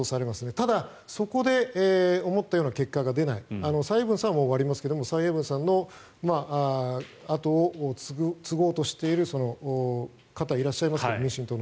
ただ、そこで思ったような結果が出ない蔡英文さんは終わりますが蔡英文さんの後を継ごうとしている方がいらっしゃいますが民進党に。